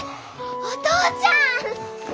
お父ちゃん！